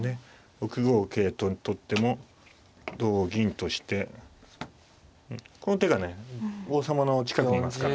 ６五桂と取っても同銀としてこの手がね王様の近くにいますから。